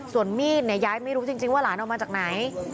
ส่วนมีดเนี่ยยายไม่รู้จริงว่าหลานออกมาจากไหน